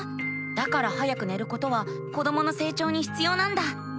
だから早く寝ることは子どもの成長にひつようなんだ。